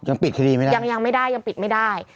ปิดคดีไม่ได้ยังยังไม่ได้ยังปิดไม่ได้